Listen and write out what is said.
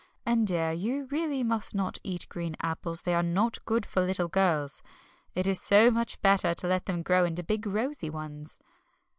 And, dear, you really must not eat green apples, they are not good for little girls it is so much better to let them grow into big, rosy ones.